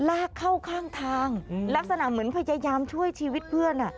ลากเข้าข้างทางลักษณะเหมือนพยายามช่วยชีวิตเพื่อน